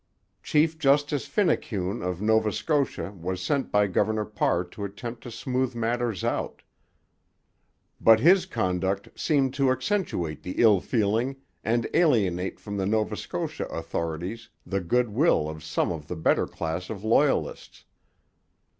Chief Justice Finucane of Nova Scotia was sent by Governor Parr to attempt to smooth matters out; but his conduct seemed to accentuate the ill feeling and alienate from the Nova Scotia authorities the good will of some of the better class of Loyalists.